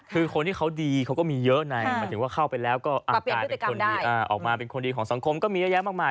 คือคนที่เขาดีเขาก็มีเยอะไงหมายถึงว่าเข้าไปแล้วก็กลายเป็นคนดีออกมาเป็นคนดีของสังคมก็มีเยอะแยะมากมาย